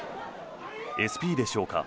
ＳＰでしょうか